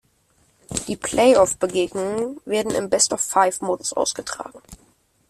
Die Playoff-Begegnungen wurden im Best-of-Five-Modus ausgetragen.